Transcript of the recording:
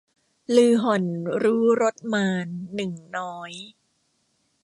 ฤๅห่อนรู้รสมาลย์ หนึ่งน้อย